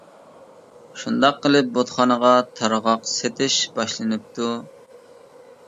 شۇنداق قىلىپ بۇتخانىغا تارغاق سېتىش باشلىنىپتۇ.